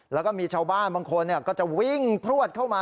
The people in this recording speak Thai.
แล้วก็มีชาวบ้านบางคนก็จะวิ่งพลวดเข้ามา